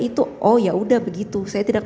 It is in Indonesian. itu oh ya udah begitu saya tidak